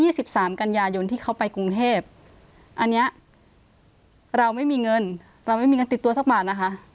สิบสามกันยายนที่เขาไปกรุงเทพอันเนี้ยเราไม่มีเงินเราไม่มีเงินติดตัวสักบาทนะคะ